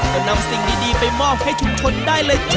ก็นำสิ่งดีไปมอบให้ชุมชนได้เลยจ้